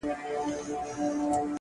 د دښمن په خوږو خبرو مه تېر وزه.